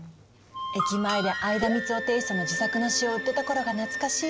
駅前で相田みつをテーストの自作の詩を売ってたころが懐かしいわ。